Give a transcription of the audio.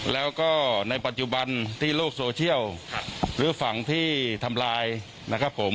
แล้วก็ในปัจจุบันที่โลกโซเชียลหรือฝั่งที่ทำลายนะครับผม